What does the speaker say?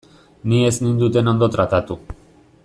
Ni ez ninduten ondo tratatu.